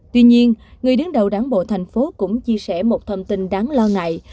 tuy nhiên người đứng đầu đảng bộ thành phố cũng chia sẻ một thông tin đáng lo ngại